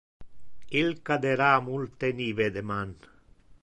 Il cadera multe nive deman.